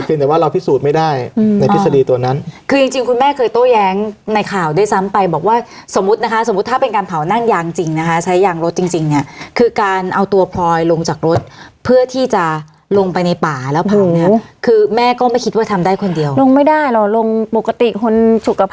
แต่ว่าเราพิสูจน์ไม่ได้ในทฤษฎีตัวนั้นคือจริงจริงคุณแม่เคยโต้แย้งในข่าวด้วยซ้ำไปบอกว่าสมมุตินะคะสมมุติถ้าเป็นการเผานั่งยางจริงนะคะใช้ยางรถจริงจริงเนี่ยคือการเอาตัวพลอยลงจากรถเพื่อที่จะลงไปในป่าแล้วเผาเนี้ยคือแม่ก็ไม่คิดว่าทำได้คนเดียวลงไม่ได้หรอลงปกติคนสุขภาพ